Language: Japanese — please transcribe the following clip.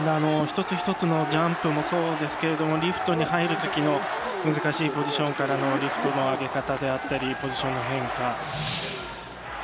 一つ一つのジャンプもそうですけれどもリフトに入るときの難しいポジションからのリフトの上げ方であったりポジションの変化。